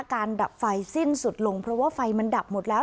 ดับไฟสิ้นสุดลงเพราะว่าไฟมันดับหมดแล้ว